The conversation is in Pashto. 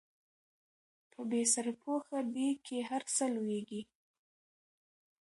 په بې سرپوښه ديګ کې هر څه لوېږي